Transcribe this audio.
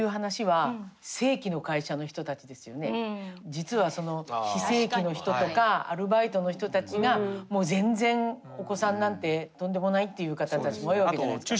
実は非正規の人とかアルバイトの人たちがもう全然お子さんなんてとんでもないという方たちも多いわけじゃないですか。